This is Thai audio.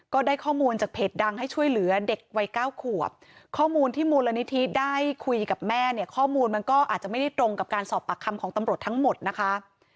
ก็ได้ข้อมูลจากเพจดังให้ช่วยเหลือเด็กวัยเก้าขวบข้อมูลที่มูลนิธิได้คุยกับแม่เนี่ยข้อมูลมันก็อาจจะไม่ได้ตรงกับการสอบปากคำของตำรวจทั้งหมดนะคะ